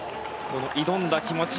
挑んだ気持ち。